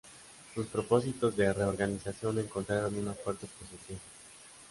Sus propósitos de reorganización encontraron una fuerte oposición.